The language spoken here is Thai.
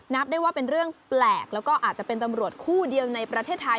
นับได้ว่าเป็นเรื่องแปลกแล้วก็อาจจะเป็นตำรวจคู่เดียวในประเทศไทย